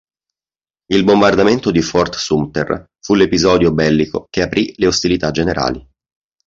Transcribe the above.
Il bombardamento di Fort Sumter fu l'episodio bellico che aprì le ostilità generali.